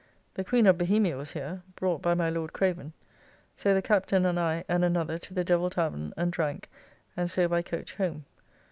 The Queen of Bohemia was here, brought by my Lord Craven. So the Captain and I and another to the Devil tavern and drank, and so by coach home.